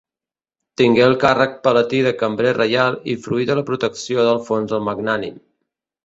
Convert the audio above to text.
Tingué el càrrec palatí de cambrer reial i fruí de la protecció d'Alfons el Magnànim.